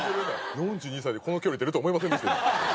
４２歳でこの距離出るとは思いませんでした。